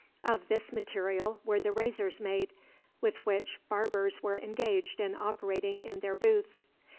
Of this material were the razors made, with which barbers were engaged in operating in their booths.